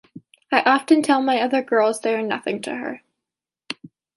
I often tell my other girls they are nothing to her.